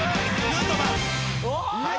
はい。